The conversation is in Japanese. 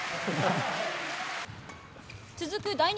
続く第２